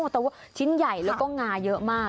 แต่ว่าชิ้นใหญ่แล้วก็งาเยอะมาก